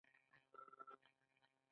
ځینو کسانو په قلعه ګانو کې بندیان ساتل.